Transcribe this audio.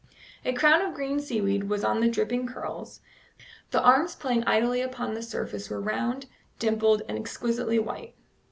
A crown of green seaweed was on the dripping curls; the arms playing idly upon the surface were round, dimpled, and exquisitely white.